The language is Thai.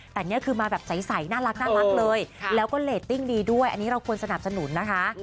แต่นี่คือมาแบบใสน่ารักเลยแล้วก็เรตติ้งดีด้วยอันนี้เราควรสนับสนุนนะคะ